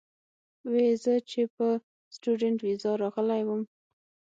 وې ئې زۀ چې پۀ سټوډنټ ويزا راغلی ووم